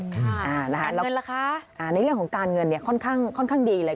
การเงินล่ะคะในเรื่องของการเงินเนี่ยค่อนข้างดีเลย